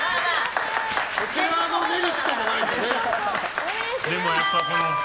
こちらのメリットもないとね。